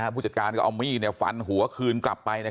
ผู้จัดการก็เอามีดฟันหัวคืนกลับไป